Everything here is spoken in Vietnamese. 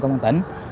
công an tỉnh